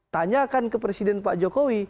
tanyakan ke presiden pak jokowi